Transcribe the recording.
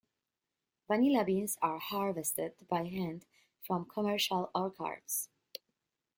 Vanilla beans are harvested by hand from commercial orchards.